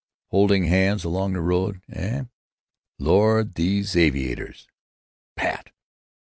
Holding hands along the road, eh? Lord! these aviators!" "Pat!"